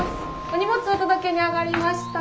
お荷物お届けに上がりました。